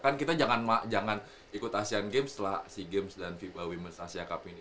kan kita jangan ikut asian games setelah si games dan viva women s asia cup ini